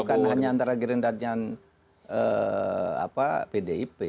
bukan hanya antara gerindra dan pdip